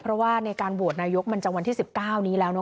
เพราะว่าในการโหวตนายกมันจะวันที่๑๙นี้แล้วเนอ